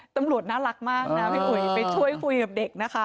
ตำรวจน่ารักมากนะพี่อุ๋ยไปช่วยคุยกับเด็กนะคะ